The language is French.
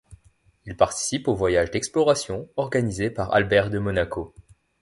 Il participe aux voyages d'exploration organisés par Albert de Monaco.